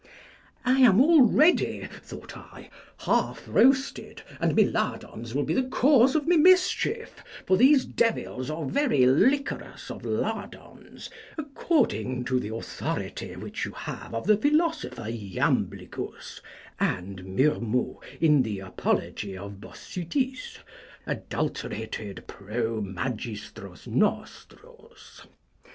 I am already, thought I, half roasted, and my lardons will be the cause of my mischief; for these devils are very liquorous of lardons, according to the authority which you have of the philosopher Jamblicus, and Murmault, in the Apology of Bossutis, adulterated pro magistros nostros.